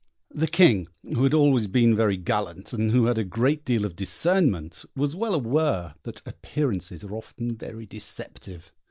The King, who had always been very gallant, and who had a great deal of discernment, was well aware that appearances are often very deceptive.